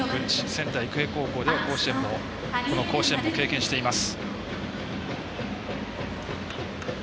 仙台育英高校では甲子園も経験しています。